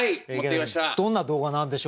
どんな動画なんでしょうか？